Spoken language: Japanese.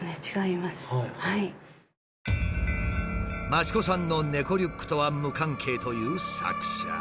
益子さんの猫リュックとは無関係という作者。